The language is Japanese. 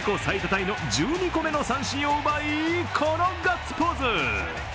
タイの１２個目の三振を奪い、このガッツポーズ。